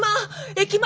駅前！